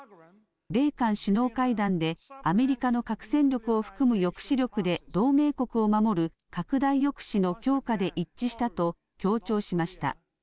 米韓首脳会談でアメリカの核戦力を含む抑止力で同盟国を守る拡大抑止の強化で一致したと強調しました。